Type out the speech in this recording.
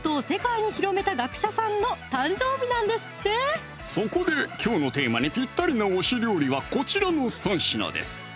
ちなみにそこできょうのテーマにぴったりな推し料理はこちらの３品です